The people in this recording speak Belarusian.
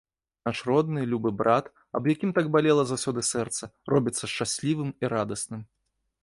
Наш родны, любы брат, аб якім так балела заўсёды сэрца, робіцца шчаслівым і радасным.